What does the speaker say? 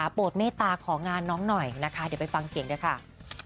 โปรดเมตตาของานน้องหน่อยนะคะเดี๋ยวไปฟังเสียงด้วยค่ะ